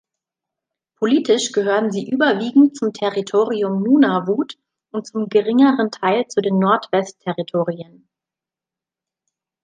Politisch gehören sie überwiegend zum Territorium Nunavut und zum geringeren Teil zu den Nordwest-Territorien.